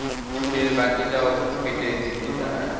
সে বাকিটাও কেটে দিতে চায়।